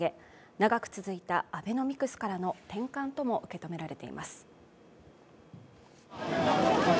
長く続いたアベノミクスからの転換からも受け止められています。